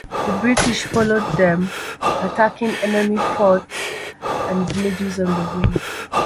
The British followed them, attacking enemy forts and villages on the way.